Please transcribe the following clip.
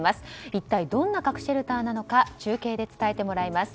一体どんな核シェルターなのか中継で伝えてもらいます。